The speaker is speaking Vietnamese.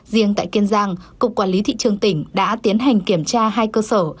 riêng tại kiên giang cục quản lý thị trường tỉnh đã tiến hành kiểm tra hai cơ sở